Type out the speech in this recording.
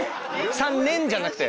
３年じゃなくて？